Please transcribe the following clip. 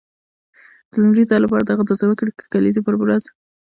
د لومړي ځل لپاره د هغه د زوکړې د کلیزې پر ورځ.